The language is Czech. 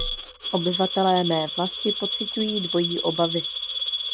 Obyvatelé mé vlasti pociťují dvojí obavy.